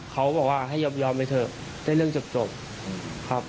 เขาบอกว่าให้ยอมไปเถอะได้เรื่องจบครับ